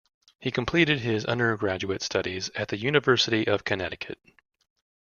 He completed his undergraduate studies at the University of Connecticut.